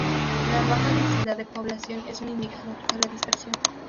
La baja densidad de población es un indicador de la dispersión.